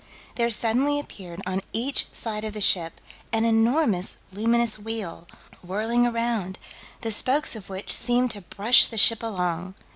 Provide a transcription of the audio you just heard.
there suddenly appeared on each side of the ship an enormous luminous wheel, whirling around, the spokes of which seemed to brush the ship along.